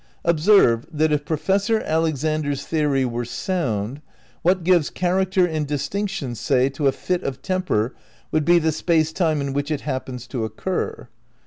Observe that, if Professor Alexander's theory were sound, what gives character and distinction, say, to a fit of temper would be the space time in which it happens to occur.